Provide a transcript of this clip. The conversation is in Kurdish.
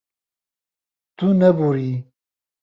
Tu neboriyî.